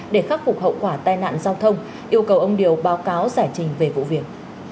để khắc phục hậu quả tai nạn giao thông yêu cầu ông điều báo cáo giải trình về vụ việc